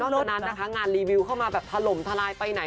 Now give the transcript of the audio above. ตอนนั้นนะคะงานรีวิวเข้ามาแบบถล่มทลายไปไหน